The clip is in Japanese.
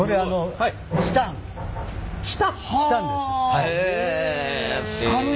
はい。